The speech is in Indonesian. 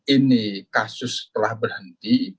ini kasus telah berhenti